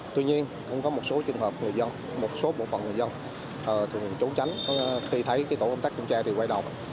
tuy nhiên cũng có một số trường hợp người dân một số bộ phận người dân thường trốn tránh khi thấy tổ công tác kiểm tra thì quay đầu